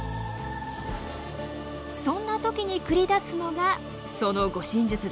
そんな時に繰り出すのがその護身術です。